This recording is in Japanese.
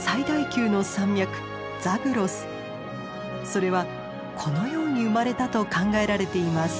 それはこのように生まれたと考えられています。